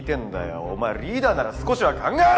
お前リーダーなら少しは考えろ！